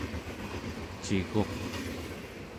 ciguq